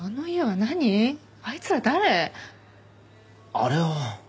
あれは。